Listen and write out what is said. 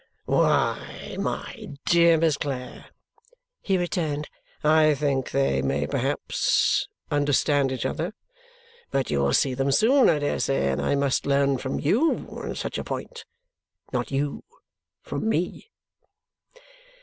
"Why, my dear Miss Clare," he returned, "I think they may perhaps understand each other; but you will see them soon, I dare say, and I must learn from you on such a point not you from me."